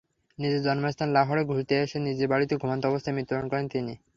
নিজের জন্মস্থান লাহোরে ঘুরতে এসে নিজ বাড়িতে ঘুমন্ত অবস্থায় মৃত্যুবরণ করেন তিনি।